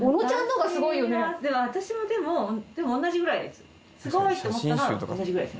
でも私もでも同じぐらいです。